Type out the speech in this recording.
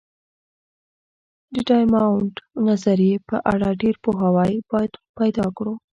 د ډایمونډ نظریې په اړه ډېر پوهاوی باید پیدا کړو.